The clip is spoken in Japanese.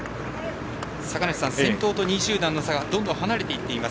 先頭と２位集団の差がどんどん離れていっています。